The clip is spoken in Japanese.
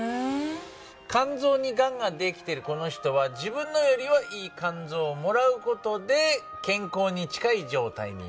肝臓にがんが出来てるこの人は自分のよりはいい肝臓をもらう事で健康に近い状態になれる。